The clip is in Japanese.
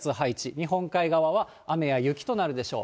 日本海側は雨や雪となるでしょう。